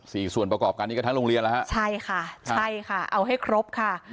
ส่วนประกอบการนี้ก็ทั้งโรงเรียนแล้วฮะใช่ค่ะใช่ค่ะเอาให้ครบค่ะ